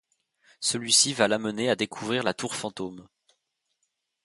Celui-ci va l'amener à découvrir la Tour Fantôme.